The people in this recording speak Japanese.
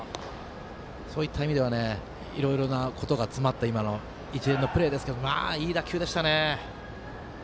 そういった意味ではいろいろなことが詰まった今の一連のプレーですけどいい打球でしたね。